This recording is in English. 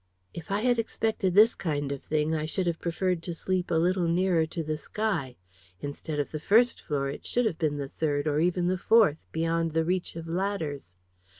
If I had expected this kind of thing, I should have preferred to sleep a little nearer to the sky. Instead of the first floor, it should have been the third, or even the fourth, beyond the reach of ladders.